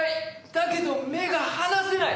だけど目が離せない。